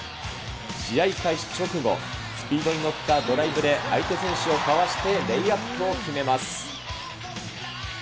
試合開始直後、スピードに乗ったドライブで相手選手をかわしてレイアップを決めます。